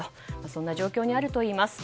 そんな状況にあるといいます。